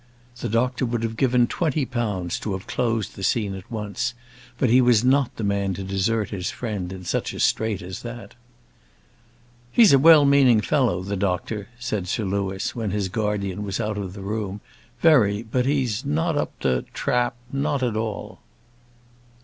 The doctor would have given twenty pounds to have closed the scene at once; but he was not the man to desert his friend in such a strait as that. "He's a well meaning fellow, the doctor," said Sir Louis, when his guardian was out of the room, "very; but he's not up to trap not at all."